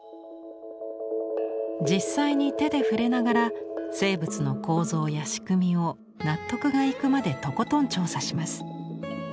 実際に手で触れながら生物の構造や仕組みを納得がいくまでとことん調査します。